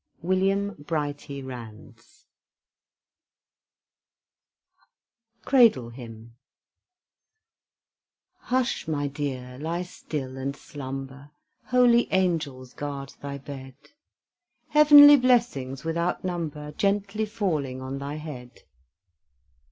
WILLIAM BRIGHTY RANDS CRADLE HYMN Hush, my dear, lie still and slumber; Holy angels guard thy bed; Heavenly blessings without number Gently falling on thy head.